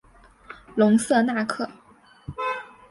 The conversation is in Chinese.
隆瑟纳克。